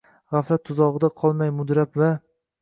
G’aflat tuzog’ida qolmay mudrab va